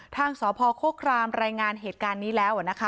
ทางสพโฆครามรายงานเหตุการณ์นี้แล้วนะคะ